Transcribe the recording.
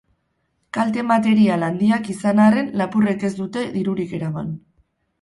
Kalte material handiak izan arren, lapurrek ez dute dirurik eraman.